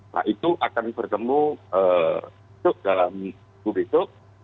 nah itu akan bertemu besok dalam minggu besok